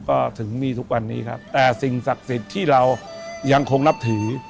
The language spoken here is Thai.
ก็ถึงมีทุกวันนี้ครับแต่สิ่งศักดิ์สิทธิ์ที่เรายังคงนับถือ